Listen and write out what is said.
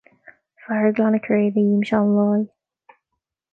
Fear ag glanadh cré de ghimseán láí.